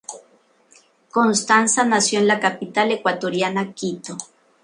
Constanza nació en la capital ecuatoriana Quito.